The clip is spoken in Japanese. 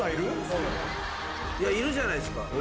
いやいるじゃないですか。